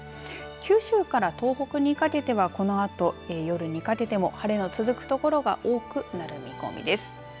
九州から東北にかけてはこのあと夜にかけても晴れが続くところが多くなる見込みです。